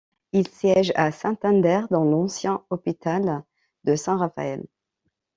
Il siège à Santander, dans l'ancien hôpital de San Rafael.